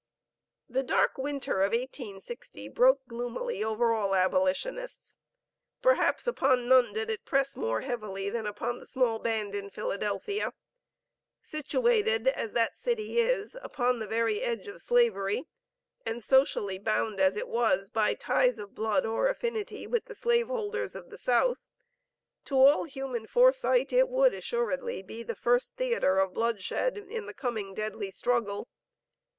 The dark winter of 1860 broke gloomily over all abolitionists; perhaps upon none did it press more heavily, than upon the small band in Philadelphia. Situated as that city is, upon the very edge of Slavery, and socially bound as it was, by ties of blood or affinity with the slave holders of the South, to all human foresight it would assuredly be the first theatre of bloodshed in the coming deadly struggle.